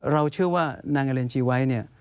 เราเชื่อว่านางอเลนจีไว้เนี่ย